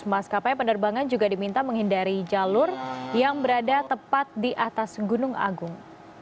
maskapai penerbangan juga diminta menghindari jalur yang berada tepat di atas gunung agung